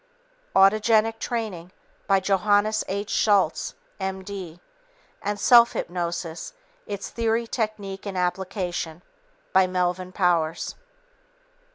Autogenic Training by Johannes H. Schultz, M.D., and Self Hypnosis Its Theory, Technique and Application by Melvin Powers.